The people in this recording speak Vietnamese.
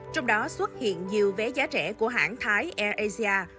trong đó xuất hiện nhiều vé giá trẻ của hãng thái air asia